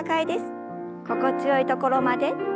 心地よいところまで。